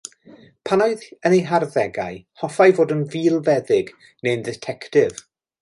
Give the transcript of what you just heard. Pan oedd yn ei harddegau, hoffai fod yn filfeddyg neu'n dditectif.